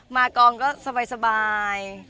มากองก็สบาย